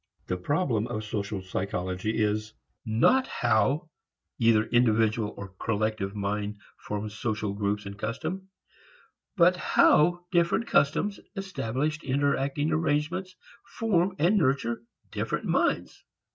The problem of social psychology is not how either individual or collective mind forms social groups and customs, but how different customs, established interacting arrangements, form and nurture different minds.